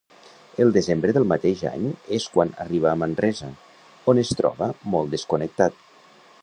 El desembre del mateix any és quan arriba a Manresa, on es troba molt desconnectat.